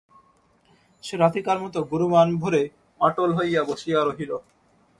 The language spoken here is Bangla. সে রাধিকার মতো গুরুমানভরে অটল হইয়া বসিয়া রহিল।